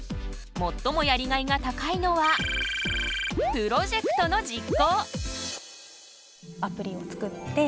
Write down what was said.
最もやりがいが高いのはプロジェクトの実行。